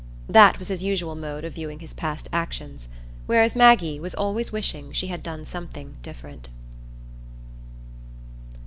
That was his usual mode of viewing his past actions; whereas Maggie was always wishing she had done something different.